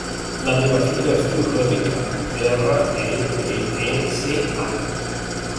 La meva filla es diu Rebeca: erra, e, be, e, ce, a.